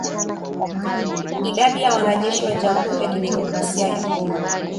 Idadi ya wanajeshi wa jamuhuri ya kidemokrasia ya Kongo